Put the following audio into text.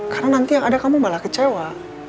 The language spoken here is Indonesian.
karena nanti yang ada kamu malah kecewa